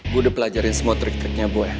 gue udah pelajarin semua trik triknya gue